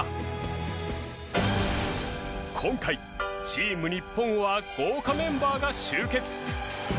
今回チーム日本は豪華メンバーが集結。